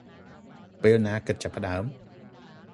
ពេលណាគិតចាប់ផ្តើម?